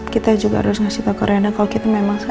kita juga harus ngasih tau ke reina kalau kita memang sayang sama dia